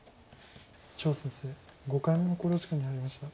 張先生５回目の考慮時間に入りました。